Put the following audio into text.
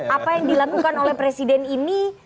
apa yang dilakukan oleh presiden ini